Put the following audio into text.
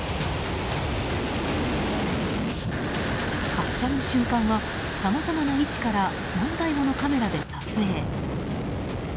発射の瞬間はさまざまな位置から何台ものカメラで撮影。